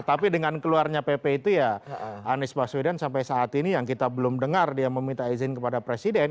tapi dengan keluarnya pp itu ya anies baswedan sampai saat ini yang kita belum dengar dia meminta izin kepada presiden